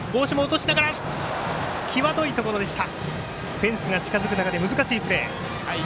フェンスが近づく中で難しいプレー。